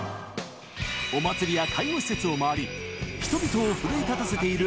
お祭りや介護施設を回り、人々を奮い立たせている